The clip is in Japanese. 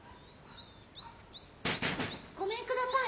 ・ごめんください。